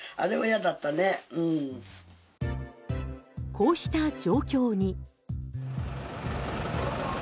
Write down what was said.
こうした状況に。